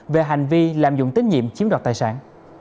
về hành vi lạm dụng tín nhiệm chiếm đoạt tài sản